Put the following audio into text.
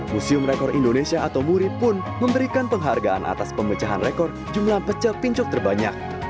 museum rekor indonesia atau muri pun memberikan penghargaan atas pemecahan rekor jumlah pecel pincuk terbanyak